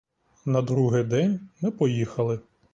На другий день ми поїхали.